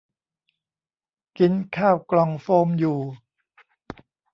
กินข้าวกล่องโฟมอยู่